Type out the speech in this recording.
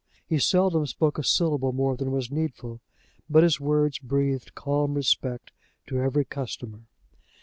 He seldom spoke a syllable more than was needful, but his words breathed calm respect to every customer.